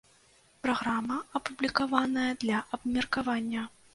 Праграма апублікаваная для абмеркавання.